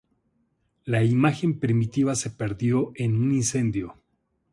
La imagen primitiva se perdió en un incendio.